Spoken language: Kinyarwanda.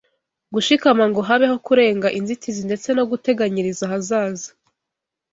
gushikama ngo habeho kurenga inzitizi ndetse no guteganyiriza ahazaza